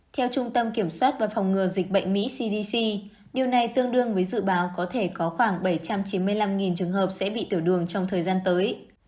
theo trung tâm kiểm soát và phòng ngừa dịch bệnh mỹ cdc điều này tương đương với dự báo có thể có khoảng bảy trăm chín mươi năm trường hợp sẽ bị tiểu đường trong thời gian tới